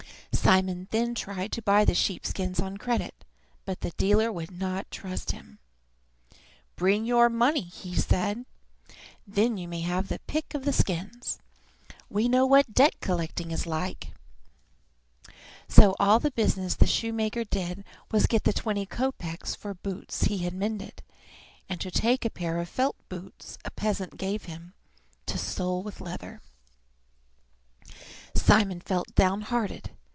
Simon then tried to buy the sheep skins on credit, but the dealer would not trust him. "Bring your money," said he, "then you may have your pick of the skins. We know what debt collecting is like." So all the business the shoemaker did was to get the twenty kopeks for boots he had mended, and to take a pair of felt boots a peasant gave him to sole with leather. Simon felt downhearted.